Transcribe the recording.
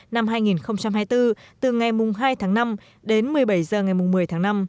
năm hai nghìn hai mươi bốn từ ngày hai tháng năm đến một mươi bảy h ngày một mươi tháng năm